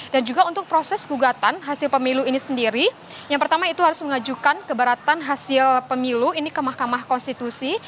dan juga untuk proses gugatan hasil pemilu ini sendiri yang pertama itu harus mengajukan keberatan hasil pemilu ini ke mahkamah konstitusi